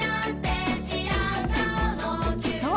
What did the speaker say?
そう！